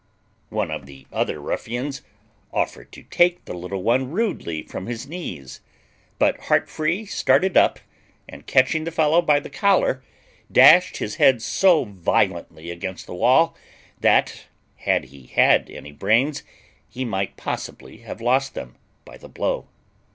One of the other ruffians offered to take the little one rudely from his knees; but Heartfree started up, and, catching the fellow by the collar, dashed his head so violently against the wall, that, had he had any brains, he might possibly have lost them by the blow.